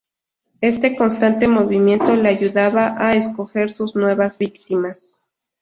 Este constante movimiento le ayudaba a escoger sus nuevas víctimas.